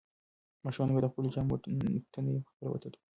ماشومان باید د خپلو جامو تڼۍ پخپله وتړي.